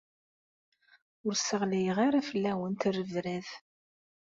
Ur d-sseɣlayeɣ fell-awent rrebrab.